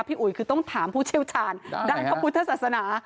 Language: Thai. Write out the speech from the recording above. พี่อุ๋ยคือต้องถามผู้เชี่ยวชาญได้นะครับภูทธศาสนา